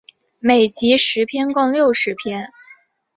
每集十篇共六十篇。